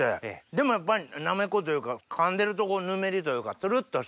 でもやっぱりなめこというか噛んでるとこのぬめりというかつるっとして。